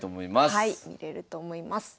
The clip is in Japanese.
はい見れると思います。